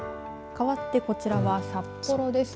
かわってこちらは札幌です。